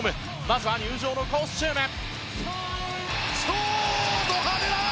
まずは入場のコスチューム。